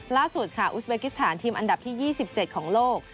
ล่าสุดค่ะอุสเบกิสถานทีมอันดับที่ยี่สิบเจ็ดของโลก